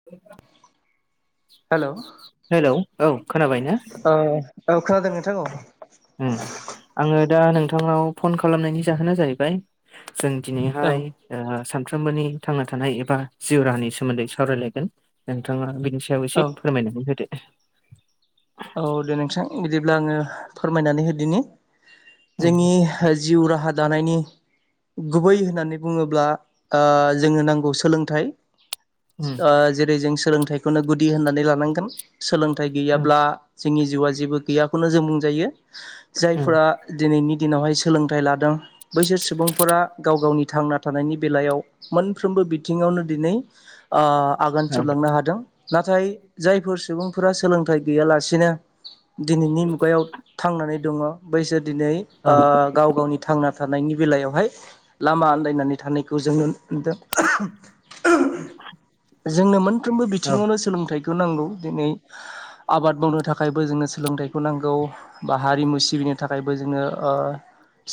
[inaudible] Hello hello औ खोनाबाय ना? औ औ खोनादों नोंथां औ ओम आङो दा नोंथांनाव फन खालामनायनि जाहोना जाहैबाय। जों दिनैहाय। ओ सानफ्रोमबोनि थांना थानाय एबा जिउ राहानि सोमोन्दै सावरायलायगोन नोंथाङा बेनि सायाव औ एसे फोरमायनानै होदो। औ दे नोंथां बिदिब्ला आङो फोरमायनानै होदिनि उम जोंनि। जिउ राहा दानायनि गुबै होननानै बुङोब्ला ओ जोंनो नांगौ सोलोंथाइ उम ओ जेरै जों सोलोंथाइखौनो गुदि होननानै लानांगोन सोलोंथाइ औ गैयाब्ला। जोंनि जिउआ जेबो गैयाखौनो जों बुंजायो औ जायफोरा। दिनैनि दिनावहाय सोलोंथाइ लादों बैसोर सुबुंफोरा गाव गावनि थांना थानायनि बेलायाव मोनफ्रोमबो बिथिङावनो दिनै ओ आगान औ सुरलांनो हादों नाथाय जायफोर सुबुंफोरा सोलोंथाइ गैयालासे। बिदिनो दिनैनि मुगायाव थांनानै दङ बैसोर दिनै ओ गाव गावनि थांना थानायनि बेलायावहाय लामा आन्दायनानै थानायखौ जों नुनो मोनदों। जोंनो मोनफ्रोमबो औ बिथिङावनो सोलोंथाइखौ नांगौ दिनै। आबाद मावनो थाखायबो जोंनो सोलोंथाइखौ नांगौ बा हारिमु सिबिनो थाखायबो जोङो ओ।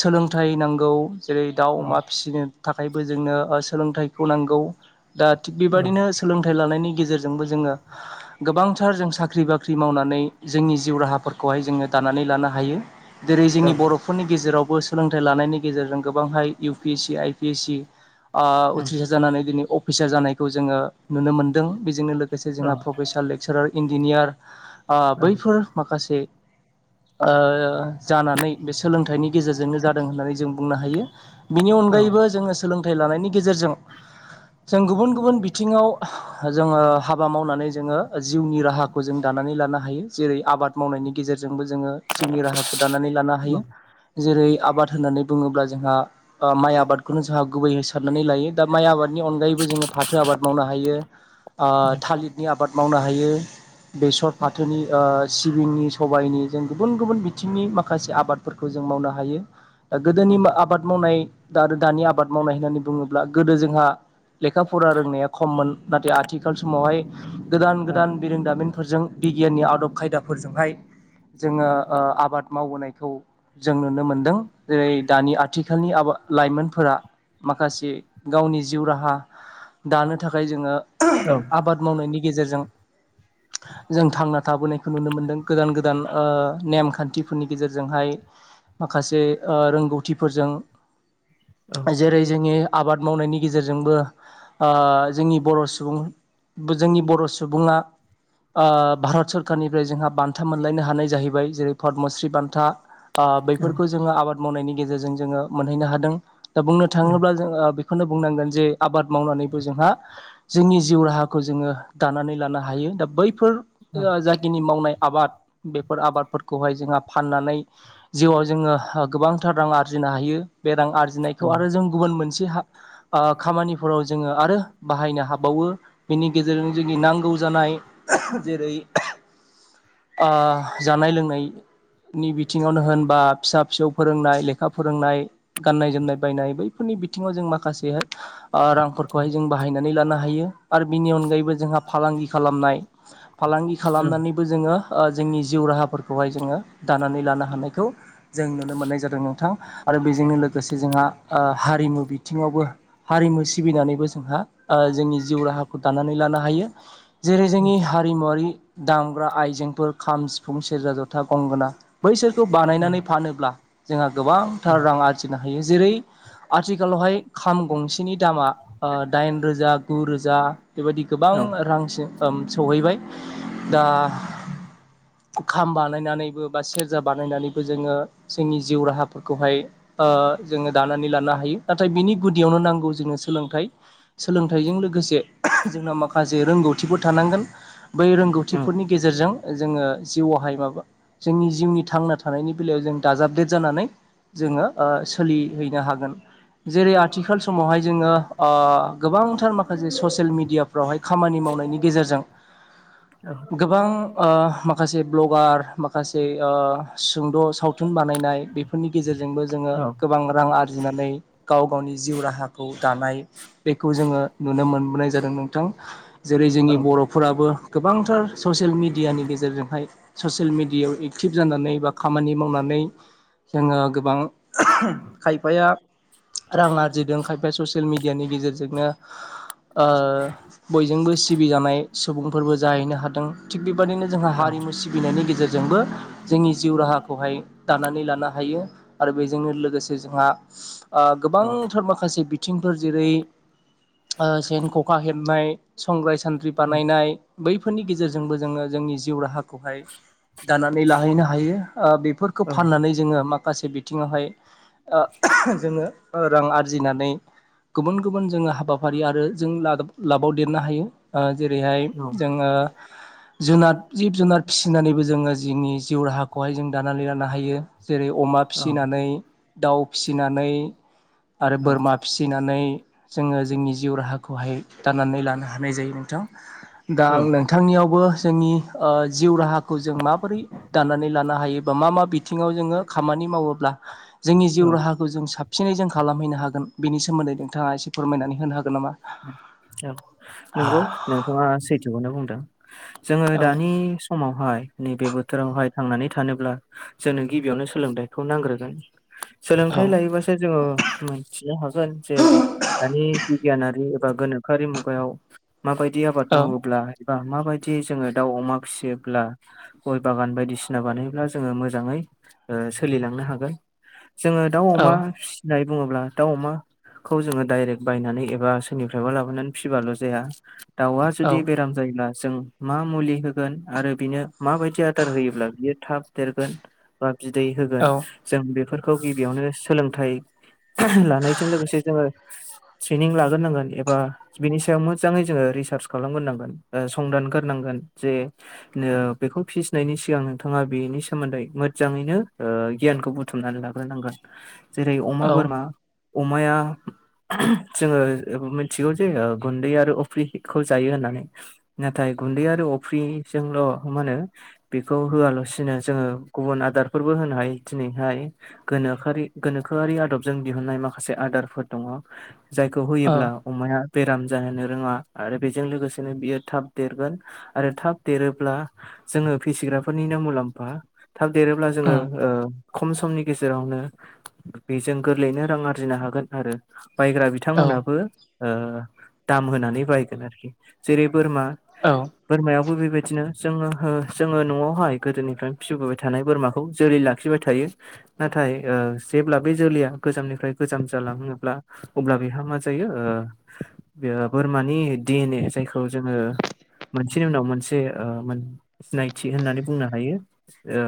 सोलोंथाइ नांगौ जेरै- दाउ, औ अमा फिसिनो। थाखायबो जोंनो ओ सोलोंथाइखौ नांगौ। दा थिग बेबायदिनो सोलोंथाइ लानायनि गेजेरजोंबो जोङो। गोबांथार जों साख्रि बाख्रि मावनानै जोंनि जिउ राहाफोरखौहाय जोङो दानानै लानो हायो जेरै औ जोंनि बर' फोरनि गेजेरावबो सोलोंथाइ लानायनि गेजेरजों गोबांहाय U P S C, I P S C. ओ उम उथ्रिसार जानानै दिनै अफिसार जानायखौ जोङो नुनो मोनदों बेजोंनो लोगोसे औ जोंहा प्रफेसार लेक्सारार इन्जिनियार ओ औ बैफोर माखासे ओ जानानै बे सोलोंथाइनि गेजेरजों। जोंनो जादों होननानै जों बुंनो हायो बिनि अनगायैबो जोङो सोलोंथाइ लानायनि गेजेरजों जों गुबुन-गुबुन बिथिङाव। जोङो हाबा मावनानै जोङो जिउनि राहाखौ जों दानानै लानो हायो जेरै आबाद मावनायनि गेजेरजोंबो जोङो जिउनि राहाखौ दानानै लानो हायो। जेरै-आबाद होननानै बुङोब्ला जोंहा ओ माइ आबादखौनो जाहा गुबै साननानै लायो। दा माइ आबादनि अनगायैबो जोङो फाथो आबाद मावनो हायो ओ थालिरनि आबाद। मावनो हायो बेसर, फाथोनि ओ सिबिंनि, सबाइनि। जों गुबुन गुबुन बिथिंनि माखासे आबादफोरखौ जों मावनो हायो दा गोदोनि आबाद मावनाय दा आरो दानि आबाद मावनाय होननानै बुङोब्ला गोदो जोंहा। लेखा फरा रोंनाया खममोन नाथाय आथिखाल समावहाय गोदान गोदान बिरोंदामिनफोरजों बिगियाननि आदब खायदाफोरजोंहाय जोङो ओ आबाद मावबोनायखौ। जों नुनो मोनदों जेरै दानि आथिखालनि आबा- लाइमोनफोरा माखासे गावनि जिउ राहा दानो थाखाय जोङो आबाद मावनायनि गेजेरजों। जों थांना थाबोनायखौ नुनो मोन्दों गोदान गोदान ओ नेमखान्थि फोरनि गेजेरजोंहाय माखासे ओ रोंगौथिफोरजों। जेरै-जोंनि आबाद मावनायनि गेजेरजोंबो। ओ जोंनि बर' सुबुं जोंनि बर' सुबुङा। ओ भारत सरकारनिफ्राय जोंहा बान्था मोनलायनो हानाय जाहैबाय जेरै पदमश्री बान्था। ओ बेैफोरखौ जोङो आबाद मावनायनि गेजेरजों जोङो मोनहैनो हादों दा बुंनो थाङोब्ला जोङो। बेखौनो बुंनांगोन जे आबाद मावनानैबो जोंहा। जोंनि जिउ राहाखौ जोङो दानानै लानो हायो दा बैफोर ओ जाय। खिनि मावनाय आबाद बेफोर आबादफोरखौहाय जोंहा फाननानै। जिउआव जोङो गोबांथार रां आरजिनो हायो बे रां आरजिनायखौ आरो जों गुबुन मोनसे हा ओ खामानिफोराव जोङो आरो बाहायनो हाबावो बेनि गेजेरजों जोंनि नांगौ जानाय जेरै ओ जानाय लोंनाय नि बिथिङावनो होनबा फिसा फिसौ फोरोंनाय लेखा फोरोंनाय गाननाय जोमनाय बायनाय बैफोरनि बिथिङाव जों माखासेहाय ओ रांफोरखौहाय जों बाहायनानै लानो हायो आरो बिनि अनगायैबो जोंहा फालांगि खालामनाय फालांगि खालामनानै बो जोङो ओ जोंनि जिउ राहाफोरखौहाय जोङो दानानै लानो हानायखौ जों नुनो मोननाय जादों नोंथां। आरो बेजोंनो लोगोसे जोंहा हारिमु बिथिङावबो हारिमु सिबिनानैबो जोंहा ओ जोंनि जिउ राहाखौ दानानै लानो हायो जेरै जोंनि हारिमुवरारि दामग्रा आइजेंफोर खाम सिफुं सेरजा जथा गंगोना। बैसोरखौ बानायनानै फानोब्ला जोंहा गोबांथार रां आरजिनो हायो जेरै‌ आथिखालावहाय खाम गंसेनि दामा ओ दाइन रोजा गु रोजा बेबायदि गोबां रांसिम ओ सहैबाय दा खाम बानायनानैबो बा सेरजा बानायनानैबो जोङो जोंनि जिउ राहाफोरखौहाय ओ जोङो दानानै लानो हायो। नाथाय बिनि गुदियावनो नांगौ जोंनो सोलोंथाइ सोलोंथाइजों लोगोसे [unintelligible] जोंनाव माखासे रोंगौथिफोर थानांगोन बै रोंगौथिफोरनि गेजेरजों जोङो जिउआवहाय माबा जोंनि जिउनि थांना थानायनि बेलायाव जों दाजाबदेर जानानै जोङो ओ सोलिहैनो हागोन। जेरै आथिखाल समावहाय जोङो ओ गोबांथार माखासे स'सियेल मिडिया। फोरावहाय खामानि मावनायनि गेजेरजों। गोबां ओ माखासे ब्लगार माखासे ओ सुंद' सावथुन बानायनाय बेफोरनि गेजेरजोंबो जोङो गोबां रां आर जिनानै गाव गावनि जिउ राहा राहाखौ दानाय बेखौ जोङो नुनो मोनबनाय जादों नोंथां। जेरै जोंनि बर'फोराबो गोबांथार स'सियेल मेडियानि गेजेरजोंहाय स'सियेल मिडियायाव एक्टिभ जानानै बा खामानि मावनानै जोङो गोबां [unintelligible] खायफाया रां आरजिदों खायफा स'सियेल मिडियानि गेजेरजोंनो। ओ बयजोंबो सिबिजानाय सुबुंफोरबो जाहैनो हादों थिग बेबायदिनो जोंहा हारिमु सि बिनायनि गेजेरजोंबो जोंनि जिउ राहाखौहाय दानानै लानो हायो। आरो बेजोंनो लोगोसे जोंहा ओ गोबांथार माखासे बिथिंफोर जेरै ओ सेन ख'खा हेब नाय संग्राय सान्द्रि बानायनाय बैफोरनि गेजेरजोंबो जोङो जोंनि जिउ राहाखौहाय दानानै लाहैनो हायो ओ बेफोरखौ फाननानै जोङो माखासे बिथिङावहाय ओ [unintelligible] जोङो ओ रां आरजिनानै गुबुन गुबुन जोङो हाबाफारि आरो जों ला-लाबावदेरनो हायो। ओ जेरै हाय औ जोङो जुनार जिब जुनार फिसिनानैबो जोङो जोंनि जिउ राहाखौहाय जों दानानै लानो हायो। जेरै अमा औ फिसिनानै दाउ फिसिनानै आरो औ बोरमा फि सिनानै जोङो जोंनि जिउ राहाखौहाय दाननानै लानो हानाय जायो नोंथां। दा औ आं नोंथांनियावबो जोंनि ओ जिउ राहाखौ जों माबोरै दानानै लानो हायो बा मा मा बिथिङाव जोङो खामानि मावोब्ला जोंनि जिउ औ राहाखौ जों साबसिनै जों खालामहैनो हागोन बेनि सोमोन्दै नोंथाङा एसे फोरमायनानै होनो हागोन नामा? औ नंगौ नोंथाङा सैथोखौनो बुंदों जोङो औ दानि समावहाय नैबे बोथोरावहाय थांनानै थानोब्ला जोंनो गिबियावनो सोलोंथायखौ नांग्रोगोन। औ सोलोंथाइ लायोबासो जोङो मोनथिनो हागोन जे दानि बिगियाना रि एबा गोनोखोआरि मुगायाव माबायदि आबाद औ मावोब्ला एबा माबायदि जोङो दाउ अमा फिसियोब्ला गय बागान बायदिसिना बानायोब्ला जोङो मोजाङै ओ सोलिलांनो हागोन। जोङो दाउ औ अमा फिसिनाय बुंङोब्ला दाउ अमाखौ जोङो डाइरेक्ट बायनानै एबा सोरनिफ्रायबा लाबोनानै फिबाल' जाया दाउआ औ जुदि बेराम जायोब्ला जों मा मुलि होगोन आरो बिनो माबायदि आदार होयोब्ला बियो थाब देरगोन। बा बिदै होगोन औ जों बेफोरखौ गिबियावनो सोलोंथाइ [unintelligible] लानायजों लोगोसे जोङो ट्रेनिं लाग्रोनांगोन। एबा बिनि सायाव मोजाङै जोङो रिसार्च खालामग्रोनांगोन संदानरग्रोनांगोन जे नो बेखौ फिसिनायनि सिगां नोंथाङा बेनि सोमोन्दै मोजाङैनो ओ गियानखौ बु थुमनानै लाग्रोनांगोन जेरै अमा औ बोरमा अमाया [unintelligible] जोङो ओ मिथिगौ जे ओ गुन्दै आरो अफ्रिखौ जायो होननानै। नाथाय गुन्दै आरो अफ्रिजोंल' मा होनो बेखौ होआलासिनो जोङो गुबुन आदारफोरबो होनो हायो दिनैहाय। गोनोखोआरि गोनोखोआरि आदबजों दिहुनन्नाय माखासे आदारफोर दङ जायखौ औ होयोब्ला अमाया बेराम जाहोनो रोङा आरो बेजों लोगोसेनो बियो थाब देरगोन। आरो थाब देरोब्ला जोङो फिसिग्राफोरनिनो मुलाम्फा। थाब देरोब्ला जोङो उम ओ खम समनि गेजेरावनो बेजों गोरलैयैनो रां आरजिनो हागोन आरो बायग्रा बि औ बिथांमोनहाबो ओ दाम होनानै बायगोन आरोखि। जेरै बोरमा औ बोरमायावबो बेबायदिनो जोङो हो जोङो न'आवहाय गोदोनिफ्रायनो फिबोबाय थानाय बोरमाखौ जोलै लाखिबाय थायो। नाथाय ओ जेब्ला बे जोलैया गोजामनिफ्राय गोजाम जालाङोब्ला अब्ला बेहा मा जायो ओ ओ बोरमानि डि एन ए जायखौ जोङो मोन मोनसेनि उनाव मोनसे ओ मोन सिनायथि होननानै बुंनो हायो। ओ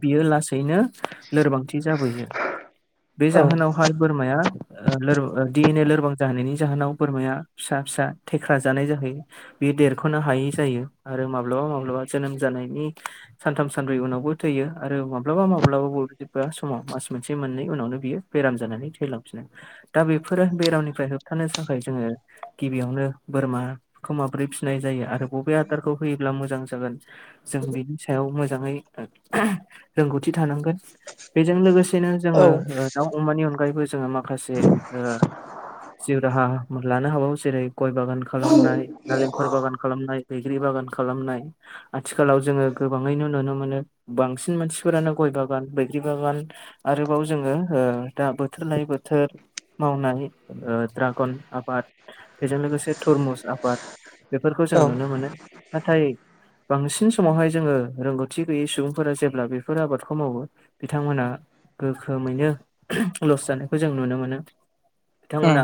बियो लासैनो लोरबांथि जाबोयो। बे औ उम जाहोनावहाय बोरमाया ओ लोर ओ डि एन ए लोर गोबां जाहैनि जाहोनाव बोरमाया फिसा फिसा थेख्रा जानाय जाहैयो। बे देरख'नो हायै जायो आरो माब्लाबा माब्लाबा जोनोम जानायनि सानथाम सानब्रै उनावबो थैयो आरो माब्लाबा माब्लाबााब बबेबा समाव मास मोनसे मोननै उनावनो बियो बेराम जानानै थैलांफिनो दा बेफोरो बेरामनिफ्राय होबथानो थाखाय जोङो गिबियावनो बोरमाखौ माबोरै फिनाय जायो आरो बबे आदारखौ होयोब्ला मोजां जागोन जों बेनि सायाव मोजाङै रोंगौथि थानांगोन बेजों लोगोसे सेनो जोङो औ ओ दाउ अमानि अनगायैबो जोङो माखासे ओ जिउ राहा लानो हाबावो जेरै गय बागान खालामनाय नालेंखर बागान खालामनाय बैग्रि बागान खालामनाय आथिखालाव जोङो गोबाङैनो नुनो मोनो बांसिन मानसिफोरानो गय बागान बैग्रि बागान आरोबाव जोङो ओ दा बोथोर लायै बोथोर मावनाय ओ ड्रागन आबाद बेजों लोगोसे तरमुस आबाद। बेफोरखौ जों नुनो मोनो नाथाय बांसिन समावहाय जोङो रोंगौथि गैयै सुबुंफोरा जेब्ला बेफोर आबादखौ मावो बिथांमोनहा गोखोमैनो लस जानायखौ जों नुनो मोनो। बिथांमोना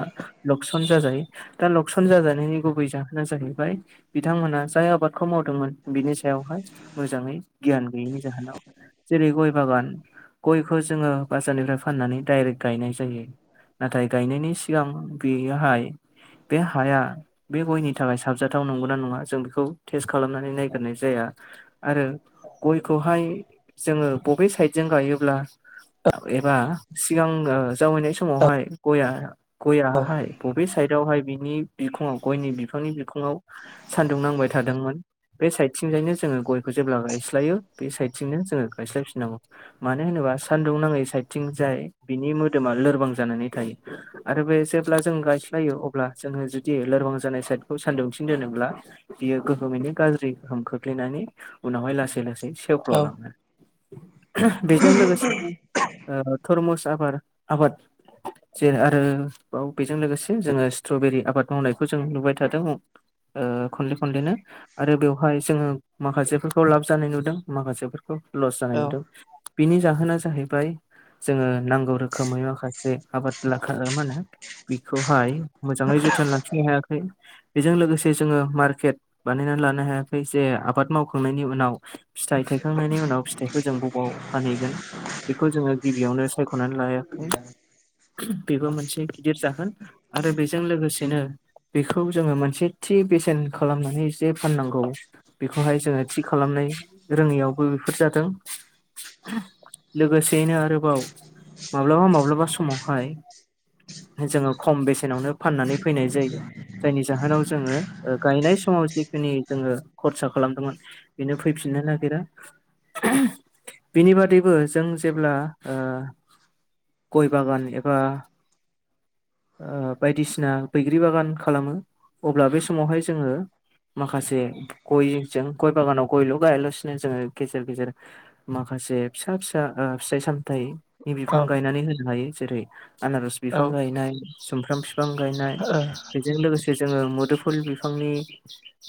लकसन जाजायो दा लकसन जाजानायनि गुबै जाहोना जाहैबाय बिथांमोनहा जाय आबादखौ मावदोंमोन बिनि सायावहाय मोजाङै गियान गैयैनि जाहोनाव जेरै गय बागान। गयखौ जोङो बाजारनिफ्राय फाननानै डाइरेक्ट गायनाय जायो नाथाय गायनायनि सिगां बेयोहाय बे हाया बे गयनि थाखाय साबजाथाव नंगौना नङा जों बेखौ टेस्ट खालामनानै नायगिरनाय जाया। आरो गयखौहाय जोङो बबे साइडजों गायोब्ला एबा सिगां जावैनाय समावहाय गया गयहाय बबे साइदावहाय बिनि बिखङाव गयनि बिफांनि बिखङाव सान्दुं नांबाय थादोंमोन। बे साइडथिंजायनो जोङो गयखौ जेब्ला गायस्लायो बे साइडथिंनो जोङो गायस्लायफिननांगौ। मानो होनोबा सान्दुं नाङै साइदथिं जाय बिनि मोदोमा लोरबां जानानै थायो। आरो बे जेब्ला जों गायस्लायो अब्ला जोङो जुदि लोरबां जानाय साइदखौ सान्दुंफन दोनोब्ला बियो गोहोमैनो गाज्रि गोहोम खोख्लैनानै उनावहाय लासै लासै सेवक्ललाङो। बेजों लोगोसेनो थरमुस आबाद आबाद। जेन आरो बाव बेजों लोगोसे जोङो स्ट्रबेरि आबाद मावनायखौ जों नुबाय थादों। ओ खनले खनलेनो आरो बेवहाय जोङो माखासेफोरखौ लाब जानाय नुदों माखासे लस जानाय औ नुदों। बिनि जाहोना जाहैबाय जोङो नांगौ रोखोमै माखासे आबाद लाखा मा होनो बिखौहाय मोजाङै जोथोन लाखिनो हायाखै। बेजों लोगोसे जोङो मार्केट बानायनानै लानो हायाखै जे आबाद मावखांनायनि उनाव फिथाइ थायखांनायनि उनाव फिथाइखौ जों बबाव फानहैगोन। बेखौ जोङो गिबियावनो सायख'नानै लायाखै। बेबो मोनसे गिदिर जाहोन आरो बेजों लोगोसेनो बेखौ जोङो मोनसे थि बेसेन खालामनानै जे फाननांगौ। बेखौहाय जोङो थि खालामनाय रोङैयावबो बेफोर जादों। लोगोसेयैनो आरोबाव माब्लाबा माब्लाबा समावहाय जोङो खम बेसेनावनो फाननानै फैनाय जायो। जायनि जाहोनाव जोङो ओ गायनाय समाव जिखिनि जोङो खरसा खालामदोंमोन बेनो फैफिननो नागेरा बिनि बादैबो जों जेब्ला ओ गय बागान एबा ओ बायदिसिना बैग्रि बागान खालामो अब्ला बे समावहाय जोङो माखासे गयजों गय बागानाव गयल' गायालासिनो जोङो गेजेर गेजेर माखासे फिसा फिसा ओ फिथाइ सामथाइ नि बिफां औ गायनानै होनो हायो जेरै आनारस औ बिफां गायनाय। सुमफ्राम बिफां गायनाय बेजों लोगोसे जोङो मोदोमफुल बिफांनि।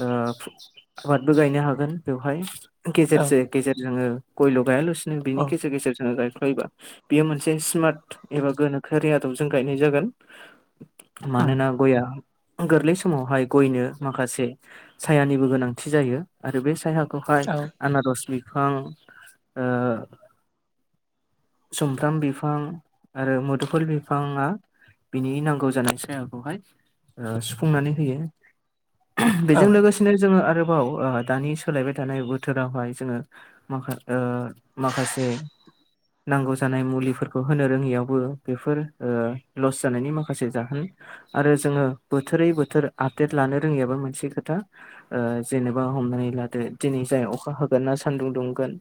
आबादबो गायनो हागोन बेवहाय। औ गेजेरजों गेजेर जोङो गयल' गायालासिनो बिनि औ गेजेर गेजेर जोङो गायफ्लायोबा बेयो मोनसे स्मार्ट एबा गोनोखोआरि आदबजों गायनाय जागोन। मानोना गयआ गोरलै समावहाय गयनो माखासे सायानिबो गोनांथि जायो आरो बे सायाखौहाय आनारस बिफां ओ सुमफ्राम बिफां आरो मुदुफुल बिफाङा बिनि नांगौ जानाय सायाखौहाय सुफुंनानै होयो औ औ बेजों लोगोसे नो जोङो आरोबाव ओ दानि सोलायबाय थानाय बोथोरावहाय जोङो माखा ओ माखासे नांगौ जानाय मुलिफोरखौ होनो रोङियाव बो बेफोर ओ लस जानायनि माखासे जाहोन। आरो जोङो बोथोरै बोथोर आपडेट लानो रोङियाबो मोनसे खोथा। ओ जेनेबा हमनानै लादो दिनै जाय अखा हागोन ना सान्दुं दुंगोन।